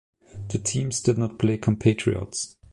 The teams did not play compatriots.